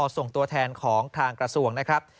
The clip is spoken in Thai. ส่งตัวแทนของทางกระทรวงนะครับ